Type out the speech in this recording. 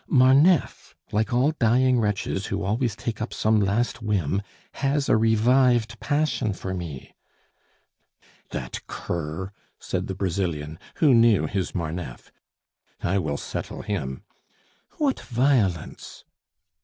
"Marneffe, like all dying wretches, who always take up some last whim, has a revived passion for me " "That cur?" said the Brazilian, who knew his Marneffe; "I will settle him!" "What violence!"